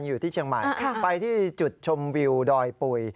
อยู่ที่เชียงใหม่ไปที่จุดชมวิวดอยปุ๋ย